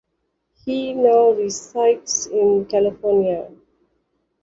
He now resides in California.